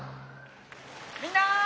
みんな！